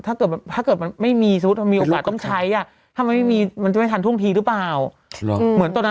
ถ้าตัวมันไม่มีซื้อถูกมีความความใช้อ่ะทำไมมีมันทำทันทุ่งทีหรือป่าวเมื่ออะไร